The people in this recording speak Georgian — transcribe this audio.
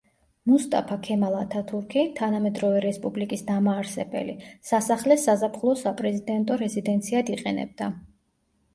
მუსტაფა ქემალ ათათურქი, თანამედროვე რესპუბლიკის დამაარსებელი, სასახლეს საზაფხულო საპრეზიდენტო რეზიდენციად იყენებდა.